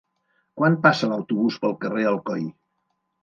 Quan passa l'autobús pel carrer Alcoi?